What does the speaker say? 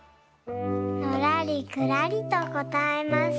のらりくらりとこたえます。